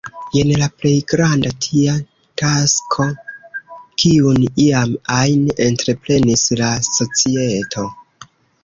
Jen la plej granda tia tasko, kiun iam ajn entreprenis la societo.